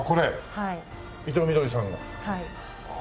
はい。